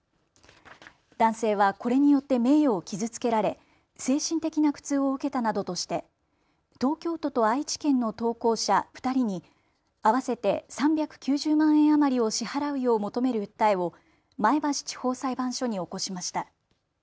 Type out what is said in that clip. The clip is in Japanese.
男性はこれによって名誉を傷つけられ精神的な苦痛を受けたなどとして東京都と愛知県の投稿者２人に合わせて３９０万円余りを支払うよう求める訴えを前橋地方裁判所に起こしました。